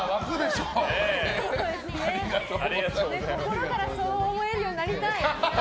心からそう思えるようになりたい。